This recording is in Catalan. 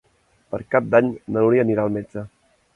Per Cap d'Any na Núria anirà al metge.